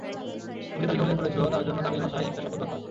তুমি যে তালিকা উল্লেখ করেছ, তার জন্য তামিল ভাষায় একটা শপথ বাক্য আছে।